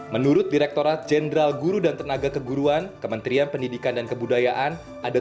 menurut direkturat jenderal guru dan tenaga keguruan kementerian pendidikan dan kebudayaan